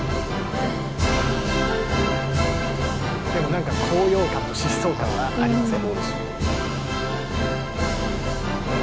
なんか高揚感と疾走感がありません？